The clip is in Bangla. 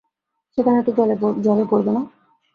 সেখানে তো জলে পড়বে না?